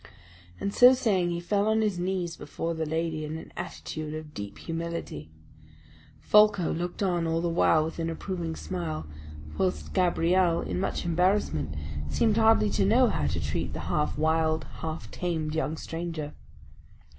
And so saying, he fell on his knees before the lady in an attitude of deep humility. Folko looked on all the while with an approving smile, whilst Gabrielle, in much embarrassment, seemed hardly to know how to treat the half wild, half tamed young stranger.